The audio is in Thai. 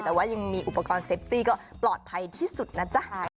แต่ว่ายังมีอุปกรณ์เซฟตี้ก็ปลอดภัยที่สุดนะจ๊ะ